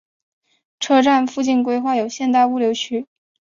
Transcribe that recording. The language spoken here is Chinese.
车站附近规划有现代物流区。